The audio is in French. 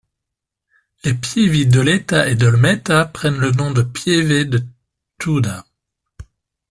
Les pievi d'Oletta et d'Olmetta prennent le nom de pieve de Tuda.